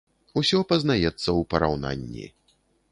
Усё пазнаецца ў параўнанні.